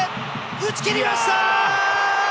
打ち切りました！